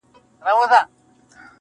بې موجبه خوار کړېږې او زورېږي,